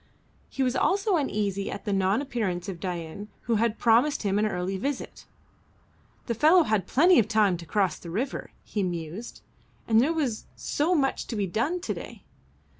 He was also uneasy at the non appearance of Dain who had promised him an early visit. "The fellow had plenty of time to cross the river," he mused, "and there was so much to be done to day.